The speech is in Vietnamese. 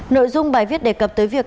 nội dung bài viết đề cập tới việc